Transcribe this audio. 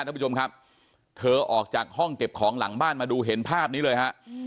ท่านผู้ชมครับเธอออกจากห้องเก็บของหลังบ้านมาดูเห็นภาพนี้เลยฮะ